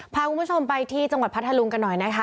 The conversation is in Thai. พาคุณผู้ชมไปที่จังหวัดพัทธลุงกันหน่อยนะคะ